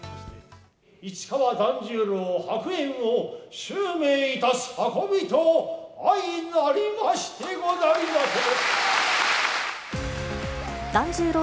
市川團十郎白猿を襲名いたす運びと相成りましてござりまする。